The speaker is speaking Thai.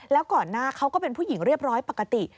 แล้วก่อนหน้าเขาก็เป็นผู้หญิงเรียบร้อยปกติ